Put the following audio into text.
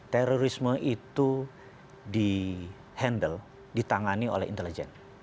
terorisme itu di handle ditangani oleh intelijen